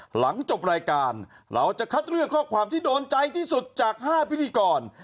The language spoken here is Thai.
หลังจบรายการเราจะคัดเลือกข้อความที่โดนใจที่สุดจาก๕พิธีกร